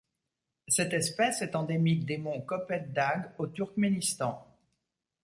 Cette espèce est endémique des monts Kopet-Dag au Turkménistan.